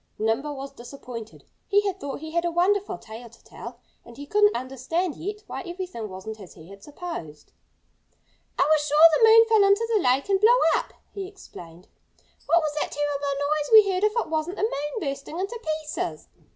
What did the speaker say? Nimble was disappointed. He had thought he had a wonderful tale to tell. And he couldn't understand yet why everything wasn't as he had supposed. "I was sure the moon fell into the lake and blew up," he explained. "What was that terrible noise we heard if it wasn't the moon bursting into pieces?"